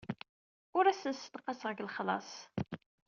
Ur asen-ssenqaseɣ deg lexlaṣ.